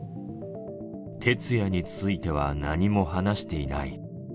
徹也については何も話していない。